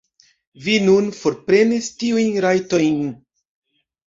Vi nun forprenis tiujn rajtojn.